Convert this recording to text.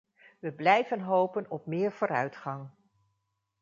We blijven hopen op meer vooruitgang.